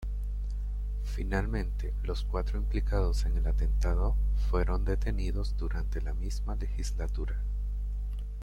Finalmente los cuatro implicados en el atentado fueron detenidos durante la misma legislatura.